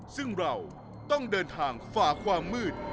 ซึ่งเราต้องเดินทางฝ่าความมืด